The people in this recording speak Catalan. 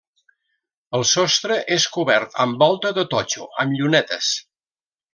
El sostre és cobert amb volta de totxo, amb llunetes.